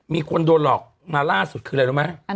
มีคนโดนหลอกมาล่าสุดคืออะไรรู้ไหม